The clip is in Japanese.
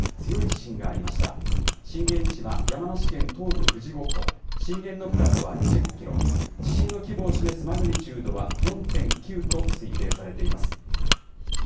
震源地は山梨県東部富士五湖、震源の深さは２０キロ、地震の規模を示すマグニチュードは４．９と推定されています。